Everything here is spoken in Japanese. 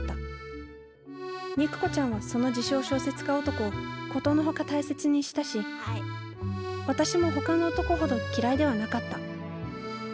肉子ちゃんはその自称小説家男を殊の外大切にしたし私もほかの男ほど嫌いではなかった。